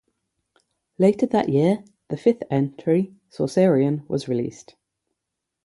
Later that year, the fifth entry "Sorcerian" was released.